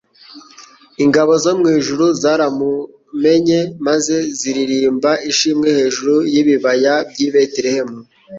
Ingabo zo mu ijuru zaramumenye maze ziririmba ishimwe hejuru y'ibibaya by'i Betelehemu.